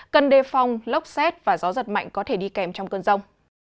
cần đề phòng lốc xét và gió giật mạnh có thể đi kèm trong cơn rông